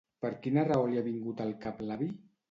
Per quina raó li ha vingut al cap l'avi?